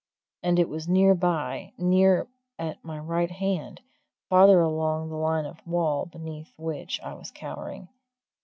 And it was near by near at my right hand, farther along the line of the wall beneath which I was cowering.